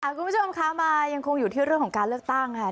ตั๋งแล้วคุณผู้ชมค่ะมายังคงอยู่ที่เรื่องของการเลือกตั้งนะคะ